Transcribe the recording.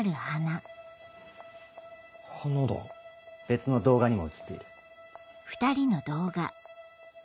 別の動画にも写っている。